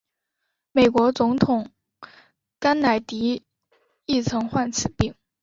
美国总统甘乃迪亦曾患此病。